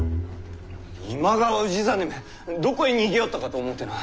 今川氏真めどこへ逃げおったかと思うてな。